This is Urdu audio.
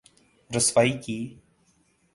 رسوائی کی‘‘۔